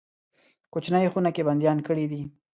کوچنۍ خونه کې بندیان کړي دي.